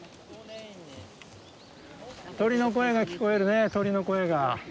鳥の声が聞こえるね鳥の声が。